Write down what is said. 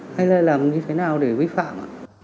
hay là làm như thế nào để vi phạm